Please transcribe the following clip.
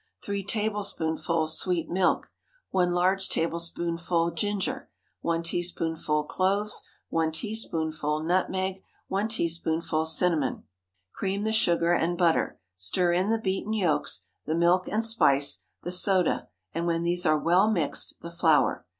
3 tablespoonfuls sweet milk. 1 large tablespoonful ginger. 1 teaspoonful cloves. 1 teaspoonful nutmeg. 1 teaspoonful cinnamon. Cream the sugar and butter, stir in the beaten yolks, the milk and spice, the soda, and when these are well mixed, the flour.